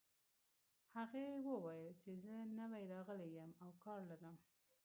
هغې وویل چې زه نوی راغلې یم او کار لرم